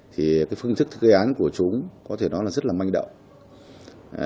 thì cái phương thức gây án của chúng có thể nói là rất là manh động